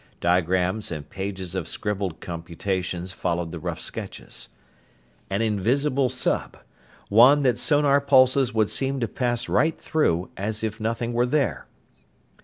Diagrams and pages of scribbled computations followed the rough sketches. An invisible sub one that sonar pulses would seem to pass right through, as if nothing were there!